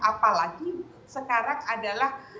apalagi sekarang adalah